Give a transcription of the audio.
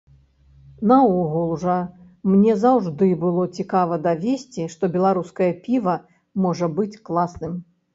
Наогул жа мне заўжды было цікава давесці, што беларускае піва можа быць класным!